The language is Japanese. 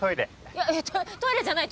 いやトイレじゃない。